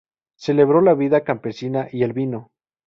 Celebró la vida campesina y el vino.